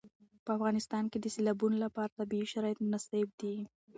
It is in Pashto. په افغانستان کې د سیلابونه لپاره طبیعي شرایط مناسب دي.